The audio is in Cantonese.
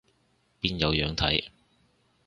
邊有樣睇